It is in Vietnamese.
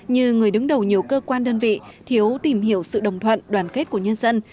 như người đứng đầu nhiều cơ quan đơn vị thiếu tìm hiểu sự đồng thuận đoàn kết của nhân dân